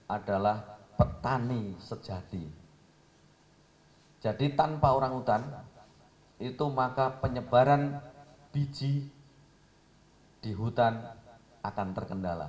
adalah petani sejati jadi tanpa orang hutan itu maka penyebaran biji di hutan akan terkendala